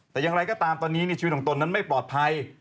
แต่อย่างไรก็ตามตอนนี้ชีวิตของตนนั้นไม่ปลอดภัย